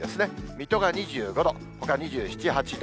水戸が２５度、ほか２７、８度。